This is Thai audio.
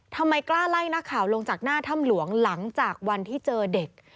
ทำไมกล้าไล่นักข่าวลงจากหน้าถ้ำหลวงหลังจากวันที่เจอเด็ก